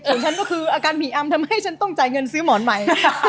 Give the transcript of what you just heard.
ฉันก็คืออาการผีอำทำให้ฉันต้องจ่ายเงินซื้อหมอนใหม่